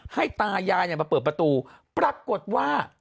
ให้ตายาเนี่ยมาเปิดประตูปรากฏว่า